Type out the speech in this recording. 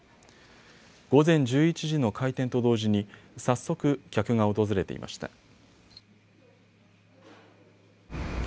午前１１時の開店と同時に早速、客が訪れていました。